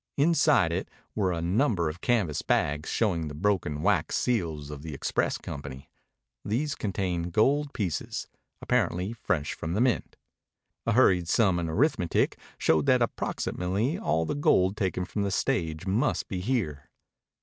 Inside it were a number of canvas bags showing the broken wax seals of the express company. These contained gold pieces apparently fresh from the mint. A hurried sum in arithmetic showed that approximately all the gold taken from the stage must be here.